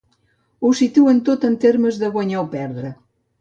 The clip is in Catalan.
Ho situen tot en termes de guanyar o perdre.